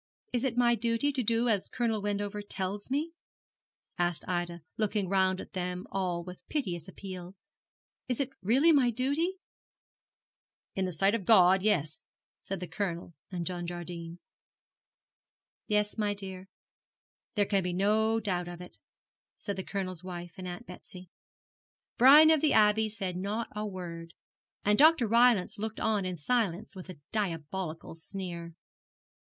'Is it my duty to do as Colonel Wendover tells me?' asked Ida, looking round at them all with piteous appeal. 'Is it really my duty?' 'In the sight of God, yes,' said the Colonel and John Jardine. 'Yes, my dear, yes, there can be no doubt of it,' said the Colonel's wife and Aunt Betsy. Brian of the Abbey said not a word, and Dr. Rylance looked on in silence, with a diabolical sneer.